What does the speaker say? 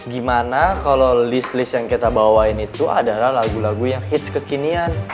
gimana kalau list list yang kita bawain itu adalah lagu lagu yang hits kekinian